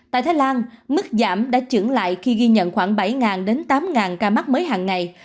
tại thái lan mức giảm đã trưởng lại khi ghi nhận khoảng bảy đến tám ca mắc mới hàng ngày